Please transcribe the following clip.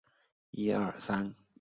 中国队获得冠军。